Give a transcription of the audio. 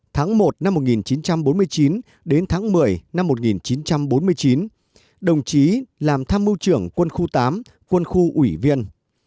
tháng một năm một nghìn chín trăm bốn mươi chín đến tháng một mươi năm một nghìn chín trăm bốn mươi chín đồng chí làm tham mưu trưởng quân khu tám quân khu ủy viên